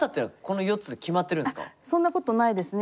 そんなことないですね